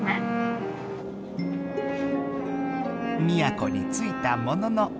宮古についたものの。